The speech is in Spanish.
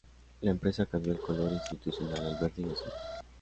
La empresa cambió el color institucional al verde y azul.